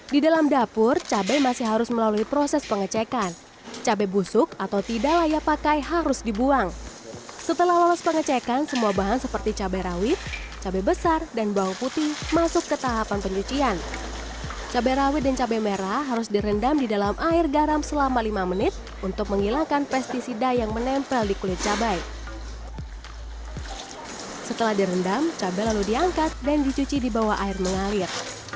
di dalam dapur cabai masih harus melalui proses pengecekan cabai busuk atau tidak layak pakai harus dibuang setelah lolos pengecekan semua bahan seperti cabai rawit cabai besar dan bawang putih masuk ke tahapan pencucian cabai rawit dan cabai merah harus direndam di dalam air garam selama lima menit untuk menghilangkan pesticida yang menempel di kulit cabai setelah direndam cabai lalu diangkat dan dicuci di bawah air mengalir